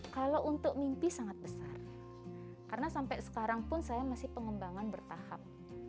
kalau untuk mimpi sangat besar karena sampai sekarang pun saya masih pengembangan bertahap